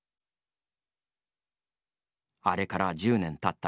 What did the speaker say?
あれから１０年たった